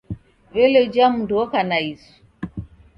W'ele uja mundu oka na isu?